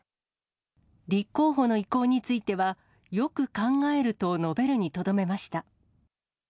立候補の意向については、よく考えると述べるにとどめました。